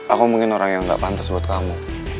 aku mungkin orang yang gak pantas buat kamu